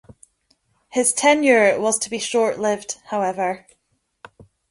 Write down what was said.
His tenure was to be short-lived, however.